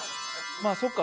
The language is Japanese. まあそっか。